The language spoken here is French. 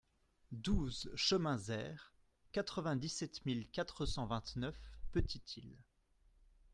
douze chemin Zaire, quatre-vingt-dix-sept mille quatre cent vingt-neuf Petite-Île